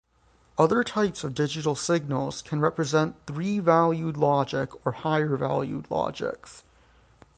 Other types of digital signals can represent three-valued logic or higher valued logics.